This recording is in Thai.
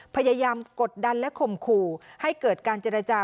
พยายามกดดันและข่มขู่ให้เกิดการเจรจา